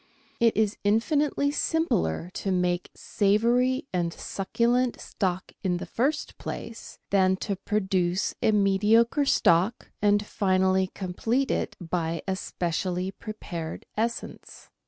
It is infinitely simpler ta make savoury and succulent stock in the first place than to produce a mediocre stock, and finally complete it by a specially prepared essence.